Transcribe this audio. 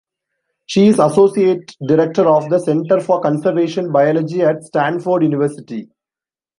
She is associate director of the Center for Conservation Biology at Stanford University.